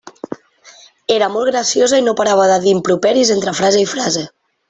Era molt graciosa i no parava de dir improperis entre frase i frase.